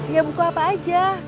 ya buku apa aja